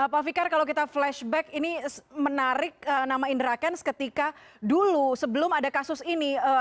pak fikar kalau kita flashback ini menarik nama indra kents ketika dulu sebelum ada kasus ini